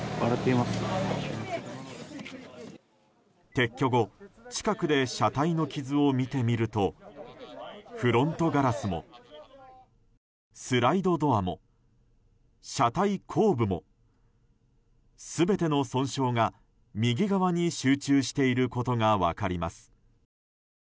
撤去後近くで車体の傷を見てみるとフロントガラスもスライドドアも車体後部も全ての損傷が右側に集中していることが分かります。